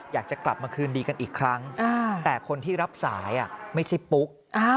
อยากจะกลับมาคืนดีกันอีกครั้งแต่คนที่รับสายไม่ใช่ปุ๊ก